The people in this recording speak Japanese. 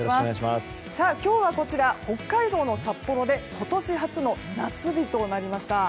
今日は、北海道の札幌で今年初の夏日となりました。